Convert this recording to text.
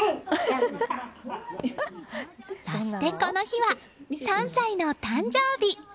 そして、この日は３歳の誕生日。